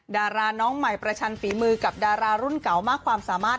ดาราน้องใหม่ประชันฝีมือกับดารารุ่นเก่ามากความสามารถ